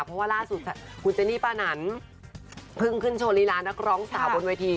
เพราะว่าล่าสุดคุณเจนี่ปานันเพิ่งขึ้นโชว์ลีลานักร้องสาวบนเวที